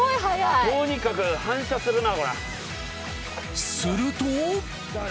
とにかく反射するな。